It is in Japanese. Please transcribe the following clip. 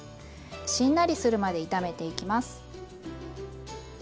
しんなりするまで炒めていきます。